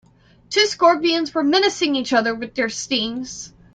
Two scorpions were menacing each other with their stings.